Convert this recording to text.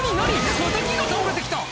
また木が倒れて来た！